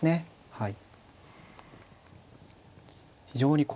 はい。